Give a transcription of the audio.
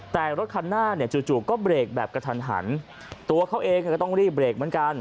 แต่รถคันหน้าเนี่ยจู่จู่ก็เบรกแบบกระทันหันตัวเขาเองก็ต้องรีบเบรกเหมือนกัน